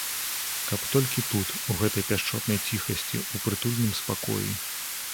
Каб толькі тут, у гэтай пяшчотнай ціхасці, у прытульным спакоі.